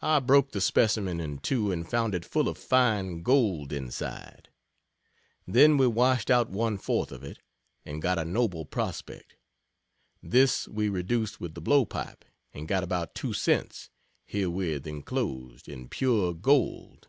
I broke the specimen in two, and found it full of fine gold inside. Then we washed out one fourth of it, and got a noble prospect. This we reduced with the blow pipe, and got about two cents (herewith enclosed) in pure gold.